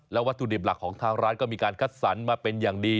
วัตถุดิบหลักของทางร้านก็มีการคัดสรรมาเป็นอย่างดี